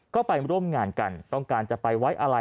ก็ไปร่วมงานกันต้องการจะไปไว้อะไร